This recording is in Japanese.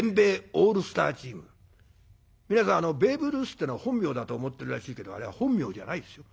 皆さんベーブ・ルースっていうのは本名だと思ってるらしいけどあれは本名じゃないですよ。